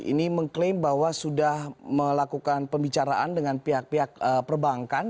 ini mengklaim bahwa sudah melakukan pembicaraan dengan pihak pihak perbankan